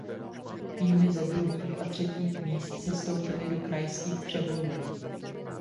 Týmy ze druhých a třetích míst sestoupily do krajských přeborů.